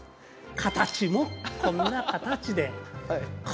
形もこんな形で。